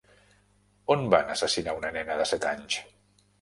On van assassinar una nena de set anys?